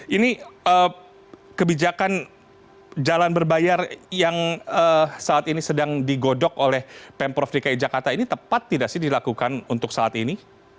ini kebijakan jalan berbayar yang saat ini sedang digodok oleh pemprov dki jakarta ini tepat tidak sih dilakukan untuk saat ini